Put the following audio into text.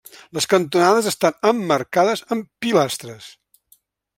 Les cantonades estan emmarcades amb pilastres.